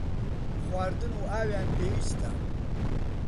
خواردن و ئاویان پێویستە.